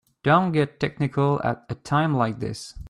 Don't get technical at a time like this.